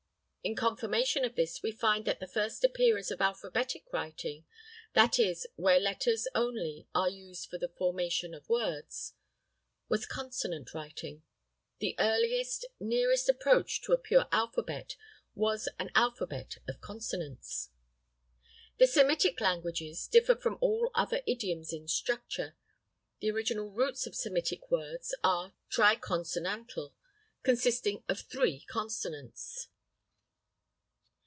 In confirmation of this we find that the first appearance of alphabetic writing—that is where letters only are used for the formation of words—was consonant writing. The earliest, nearest approach to a pure alphabet, was an alphabet of consonants. The Semitic languages differ from all other idioms in structure. The original roots of Semitic words are tri consonantal, consisting of three consonants.